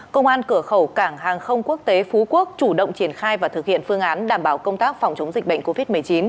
công an cửa khẩu cảng hàng không quốc tế phú quốc chủ động triển khai và thực hiện phương án đảm bảo công tác phòng chống dịch bệnh covid một mươi chín